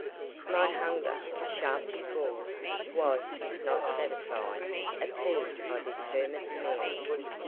My hunger, sharp before, was, if not satisfied, appeased by this hermit's meal.